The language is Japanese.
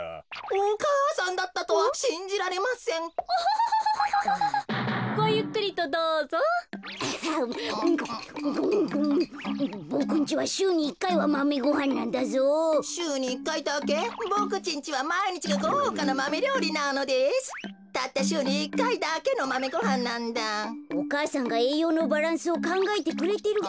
お母さんがえいようのバランスをかんがえてくれてるからだよ。